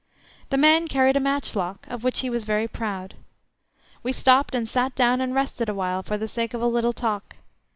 The man carried a matchlock, of which he was very proud. We stopped and sat down and rested awhile for the sake of a little talk.